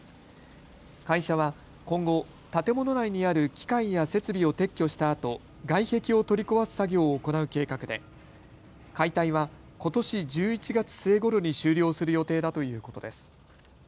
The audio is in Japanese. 会社は今後、建物内にある機械や設備を撤去したあと外壁を取り壊す作業を行う計画で解体はことし１１月末ごろに終了する予定だということです。